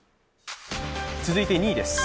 続いて２位です。